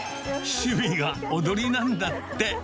趣味は踊りなんだって。